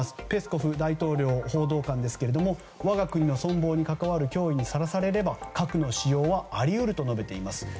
ペスコフ大統領報道官ですが我が国の存亡に関わる脅威にさらされれば核の使用はあり得ると述べています。